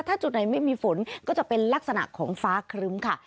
ถ้าจุดไหนไม่มีฝนก็จะเป็นลักษณะของฟ้าครึ้มค่ะ